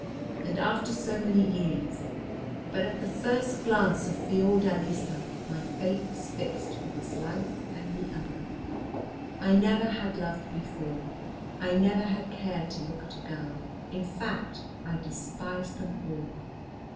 And after so many years! But at the first glance of Fiordalisa, my fate was fixed for this life and the other. I never had loved before. I never had cared to look at a girl; in fact I despised them all.